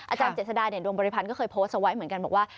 อาจารย์เจษฎาดวงบริภัณฑ์ก็เคยโพสเตอร์ไว้เหมือนกันบอกว่า